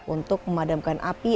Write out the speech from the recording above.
untuk memadamkan api